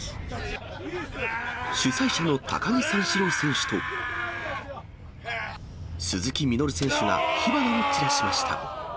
主催者の高木三四郎選手と、鈴木みのる選手が火花を散らしました。